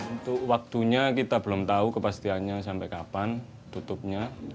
untuk waktunya kita belum tahu kepastiannya sampai kapan tutupnya